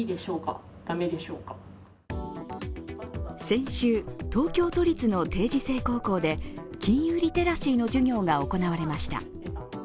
先週、東京都立の定時制高校で金融リテラシーの授業が行われました。